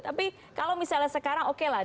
tapi kalau misalnya sekarang oke lah